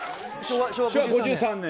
昭和５３年。